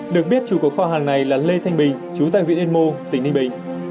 được biết chủ của kho hàng này là lê thanh bình chú tài nguyễn yên mô tỉnh ninh bình